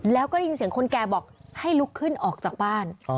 แล้วก็ได้ยินเสียงคนแก่บอกให้ลุกขึ้นออกจากบ้าน